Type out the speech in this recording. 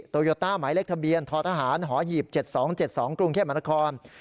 โตโยต้าหมายเลขทะเบียนททหารหอหีบ๗๒๗๒กรุงเทพมนคร